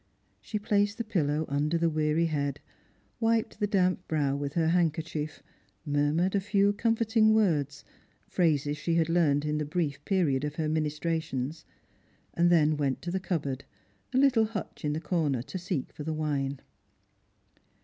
She placed the pillow under the weary head, wiped the damp brow with her handkerchief, murmured a few comforting words, phrases she had learned in the brief period of her ministrations, and then went to the cupboard, a little hutch in the corner, to seek for the wine.